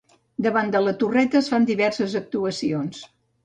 Davant de la torreta es fan diverses actuacions.